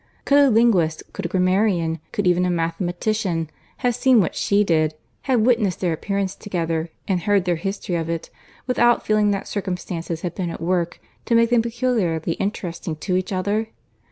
Could a linguist, could a grammarian, could even a mathematician have seen what she did, have witnessed their appearance together, and heard their history of it, without feeling that circumstances had been at work to make them peculiarly interesting to each other?